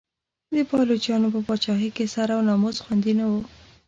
د پایلوچانو په پاچاهۍ کې سر او ناموس خوندي نه و.